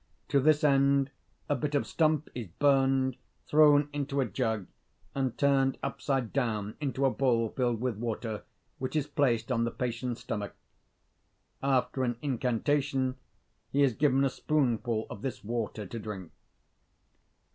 To this end, a bit of stump is burned, thrown into a jug, and turned upside down into a bowl filled with water, which is placed on the patient's stomach: after an incantation, he is given a spoonful of this water to drink.